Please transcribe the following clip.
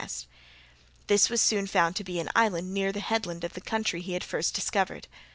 This was soon found to be an island near the headland of the country he had first discovered.